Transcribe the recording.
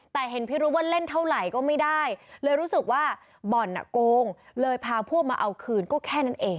แต่เห็นพิรุษว่าเล่นเท่าไหร่ก็ไม่ได้เลยรู้สึกว่าบ่อนโกงเลยพาพวกมาเอาคืนก็แค่นั้นเอง